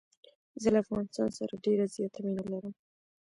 زه له افغانستان سره ډېره زیاته مینه لرم.